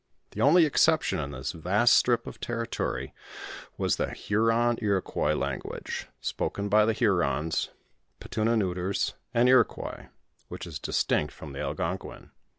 The only exception in this vast strip of territory, was the Huron Iroquois lan^uase, spoken by the Hurons, Petuns^ Neuters, and Iroquois, which is distinct from the Algonquin.